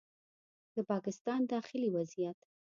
د پاکستان داخلي وضعیت